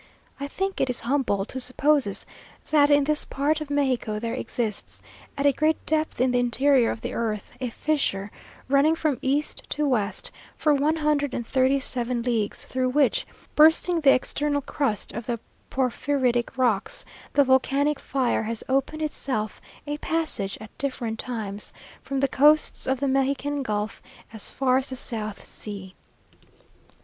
I think it is Humboldt who supposes that in this part of Mexico there exists, at a great depth in the interior of the earth, a fissure running from east to west, for one hundred and thirty seven leagues, through which, bursting the external crust of the porphyritic rocks, the volcanic fire has opened itself a passage at different times, from the coasts of the Mexican Gulf, as far as the South Sea.